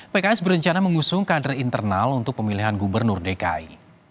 pks berencana mengusung kader internal untuk pemilihan gubernur dki